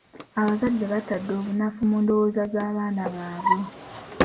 Abazadde batadde obunafu mu ndowooza z'abaana baabwe.